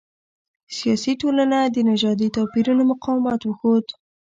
سیالي ټولنه د نژادي توپیرونو مقاومت وښود.